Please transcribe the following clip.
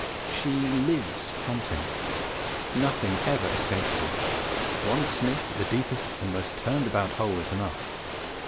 She lives hunting. Nothing ever escapes her; one sniff at the deepest and most turn about hole is enough.